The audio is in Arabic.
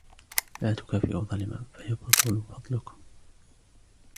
وَلَا تُكَافِئُوا ظَالِمًا فَيَبْطُلَ فَضْلُكُمْ